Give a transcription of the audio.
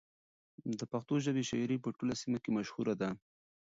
د پښتو ژبې شاعري په ټوله سیمه کې مشهوره ده.